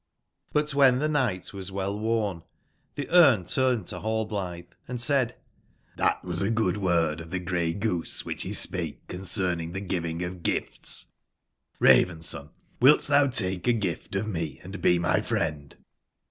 m 161 UXl when the night was well worn, the Bmc turned to Rallblitbe and said: ''Hbat was a good word of the Grey goose wbicb be spake concerning tne givingof gifts: Raven/son, wilt tbou take a gift of me and be my friend?"